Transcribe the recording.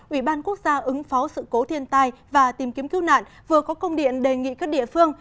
ủy ban quốc gia ứng phó sự cố thiên tai và tìm kiếm cứu nạn vừa có công điện đề nghị các địa phương